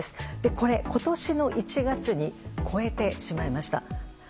これを今年の１月に超えてしまいました。